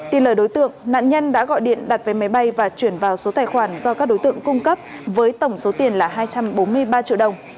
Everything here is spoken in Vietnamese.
tin lời đối tượng nạn nhân đã gọi điện đặt vé máy bay và chuyển vào số tài khoản do các đối tượng cung cấp với tổng số tiền là hai trăm bốn mươi ba triệu đồng